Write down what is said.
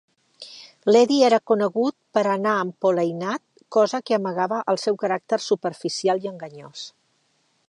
L'Eddie era conegut per anar empolainat; cosa que amagava el seu caràcter superficial i enganyós.